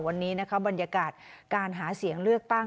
วันนี้นะคะบรรยากาศการหาเสียงเลือกตั้ง